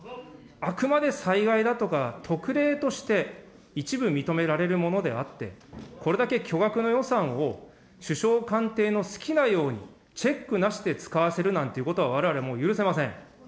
あくまで災害だとか、特例として、一部認められるものであって、これだけ巨額の予算を、首相官邸の好きなようにチェックなしで使わせるなんていうことはわれわれはもう許せません。